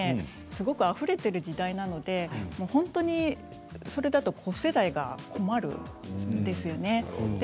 すごくあふれている時代なのでそれだと、子世代が困るんですよね。